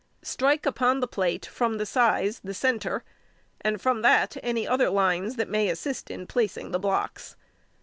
Strike upon the plate from the size the centre, and from that any other lines that may assist in placing the blocks.